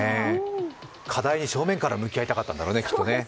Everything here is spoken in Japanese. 課題に正面から向き合いたかったんだろうね。